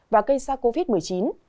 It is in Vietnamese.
và gây ra covid một mươi chín